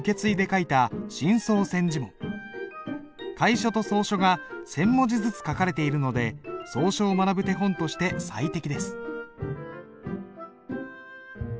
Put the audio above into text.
楷書と草書が千文字ずつ書かれているので草書を学ぶ手本として最適です。